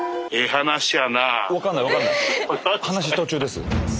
話途中です。